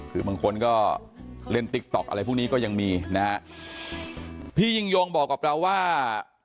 คือบางคนก็เล่นติ๊กต๊อกอะไรพวกนี้ก็ยังมีนะฮะพี่ยิ่งยงบอกกับเราว่า